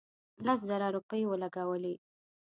لس زره روپۍ ولګولې.